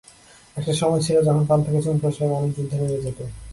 একটা সময় ছিল যখন পান থেকে চুন খসলেই মানুষ যুদ্ধে নেমে যেত।